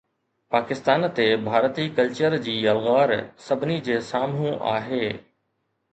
پاڪستان تي ڀارتي ڪلچر جي یلغار سڀني جي سامهون آهي